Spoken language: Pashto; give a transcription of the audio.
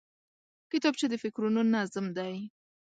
کتابچه د فکرونو نظم دی